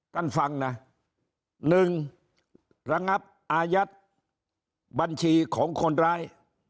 ฟังนะ๑ระงับอายัดบัญชีของคนร้าย